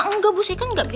enggak enggak bu